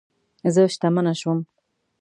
زه شتمنه شوم